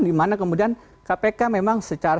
di mana kemudian kpk memang secara